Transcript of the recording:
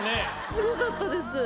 すごかったです。